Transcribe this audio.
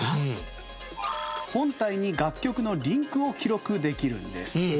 本体に楽曲のリンクを記録できるんです。